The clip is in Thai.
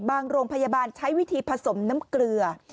โรงพยาบาลใช้วิธีผสมน้ำเกลือ